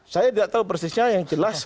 saya tidak tahu persisnya yang jelas